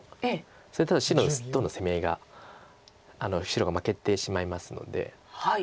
それだと白との攻め合いが白が負けてしまいますので。